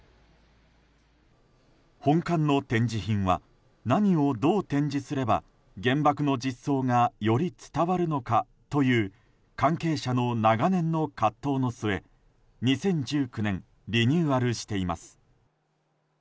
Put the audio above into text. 本館の展示品は何をどう展示すれば原爆の実相がより伝わるのかという関係者の長年の葛藤の末２０１９年リニューアルしています。